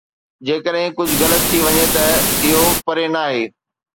جيڪڏهن ڪجهه غلط ٿي وڃي ته اهو پري ناهي